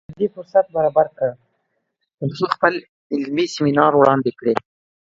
د دې فرصت برابر کړ تر څو خپل علمي سیمینار وړاندې کړي